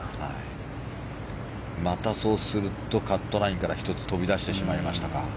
またそうするとカットラインから１つ飛び出してしまいましたか。